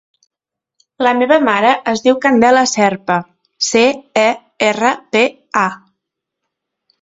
La meva mare es diu Candela Cerpa: ce, e, erra, pe, a.